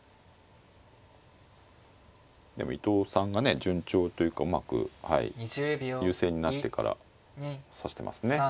でも伊藤さんがね順調というかうまく優勢になってから指してますね。